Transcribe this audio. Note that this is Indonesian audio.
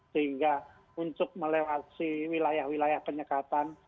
sehingga untuk melewati wilayah wilayah penyekatan